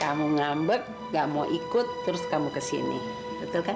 kamu ngambek gak mau ikut terus kamu kesini betul kan